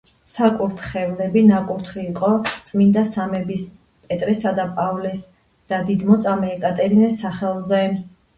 საკურთხევლები ნაკურთხი იყო წმინდა სამების, პეტრესა და პავლეს და დიდმოწამე ეკატერინეს სახელზე.